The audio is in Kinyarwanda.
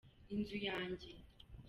inzu yanjye.